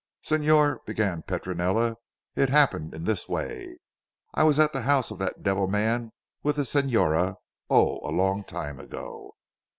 "Signor," began Petronella, "it happened in this way. I was at the house of that devil man with the Signora oh a long time ago.